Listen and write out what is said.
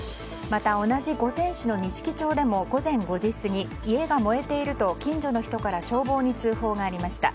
また同じ五泉市の錦町でも午前５時過ぎ、家が燃えていると近所の人から消防に通報がありました。